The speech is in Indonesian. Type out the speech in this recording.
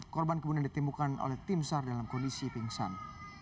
korban kemudian ditimbulkan oleh tim sar dalam kondisi pingsan